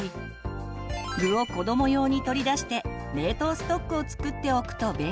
具を子ども用に取り出して冷凍ストックを作っておくと便利です。